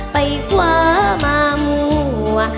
ไปคว้ามามั่ว